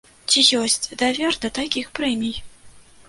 Ці ёсць давер да такіх прэмій?